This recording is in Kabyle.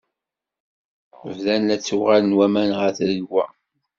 Bdan la ttuɣalen waman ɣer tregwa.